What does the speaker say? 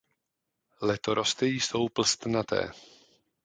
Letorosty jsou plstnaté.